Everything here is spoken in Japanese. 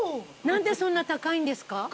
何でそんな高いんですか？